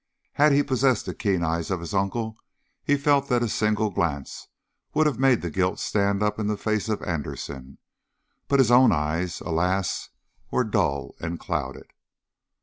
Had he possessed the keen eyes of his uncle he felt that a single glance would have made the guilt stand up in the face of Anderson. But his own eyes, alas, were dull and clouded.